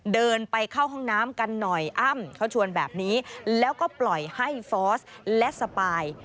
เดินไปเข้าห้องน้ำกันหน่อยอ้ำเขาชวนแบบนี้แล้วก็ปล่อยให้ฟอสและสปาย